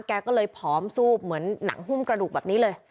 แกก็เลยผอมซูบเหมือนหนังหุ้มกระดูกแบบนี้เลย